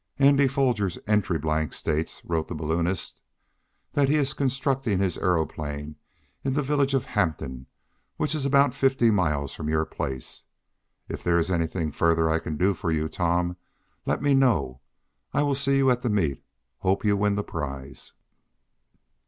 "Andy Foger's entry blank states," wrote the balloonist, "that he is constructing his aeroplane in the village of Hampton, which is about fifty miles from your place. If there is anything further I can do for you, Tom, let me know. I will see you at the meet. Hope you win the prize."